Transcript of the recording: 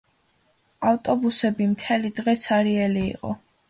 ავტობუსები მთელი დღე ცარიელი იყო.